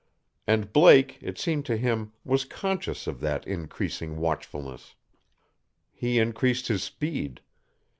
And Blake, it seemed to him, was conscious of that increasing watchfulness. He increased his speed.